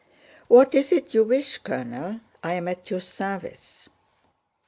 "What is it you wish, Colonel? I am at your service."